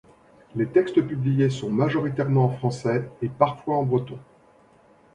Les textes publiés sont majoritairement en français et parfois en breton.